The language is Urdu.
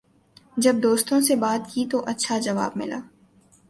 جب دوستوں سے بات کی تو اچھا جواب ملا